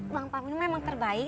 bang parmin memang terbaik